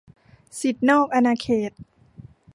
สิทธินอกอาณาเขต